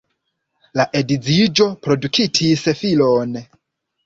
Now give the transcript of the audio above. La edziĝo produktis filon.